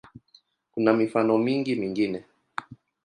Kuna mifano mingi mingine.